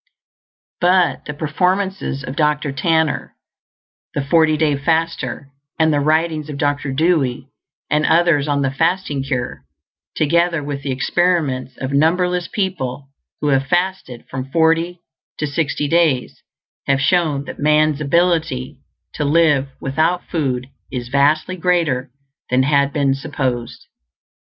But the performances of Dr. Tanner, the forty day faster, and the writings of Dr. Dewey and others on the fasting cure, together with the experiments of numberless people who have fasted from forty to sixty days, have shown that man's ability to live without food is vastly greater than had been supposed.